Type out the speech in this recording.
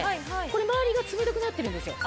これ周りが冷たくなってるんですよ。